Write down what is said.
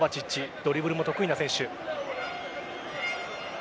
ドリブルも得意な選手。